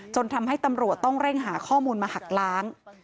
ทำให้ตำรวจต้องเร่งหาข้อมูลมาหักล้าง